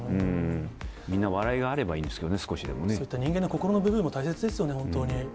みんな笑いがあればいいですけどそういった人間の心の部分も大切ですよね、本当に。